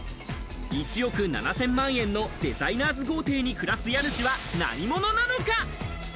１億７０００万円のデザイナーズ豪邸に暮らす家主は何者なのか？